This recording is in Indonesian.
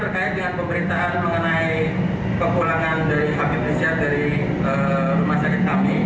berkait dengan pemerintahan mengenai kepulangan habib rizik syihab dari rumah sakit kami